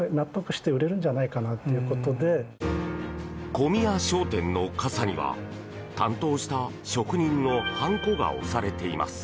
小宮商店の傘には担当した職人のはんこが押されています。